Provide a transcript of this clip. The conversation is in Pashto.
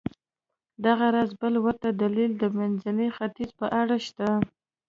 دغه راز بل ورته دلیل د منځني ختیځ په اړه شته.